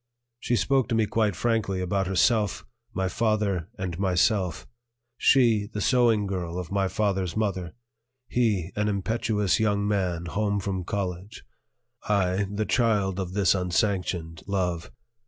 She spoke to me quite frankly about herself, my father, and myself: she, the sewing girl of my father's mother; he, an impetuous young man home from college; I, the child of this unsanctioned love.